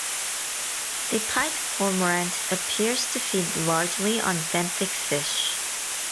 The pied cormorant appears to feed largely on benthic fish.